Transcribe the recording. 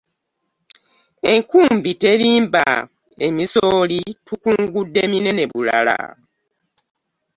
Enkumbi terimba! Emisooli tukungudde minene bulala.